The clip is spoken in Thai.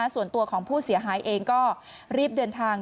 ส่วนตัวของผู้เสียหายเองก็รีบเดินทาง